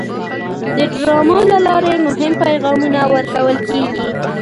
د ډرامو له لارې مهم پیغامونه ورکول کېږي.